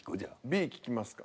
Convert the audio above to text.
Ｂ聞きますか。